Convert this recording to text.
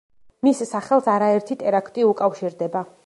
მის სახელს არაერთი ტერაქტი უკავშირდება.